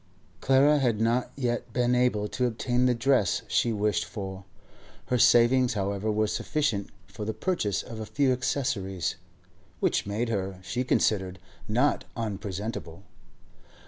Clara had not yet been able to obtain the dress she wished for. Her savings, however, were sufficient for the purchase of a few accessories, which made her, she considered, not unpresentable.